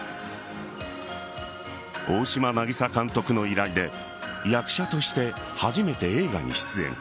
大島渚監督の依頼で役者として初めて映画に出演。